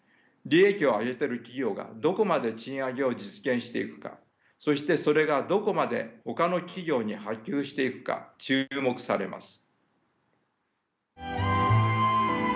利益を上げている企業がどこまで賃上げを実現していくかそしてそれがどこまでほかの企業に波及していくか注目されます。